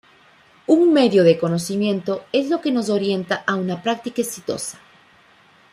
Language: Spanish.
Un medio de conocimiento es lo que nos orienta a una práctica exitosa.